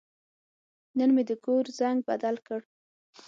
نن مې د کور زنګ بدل کړ.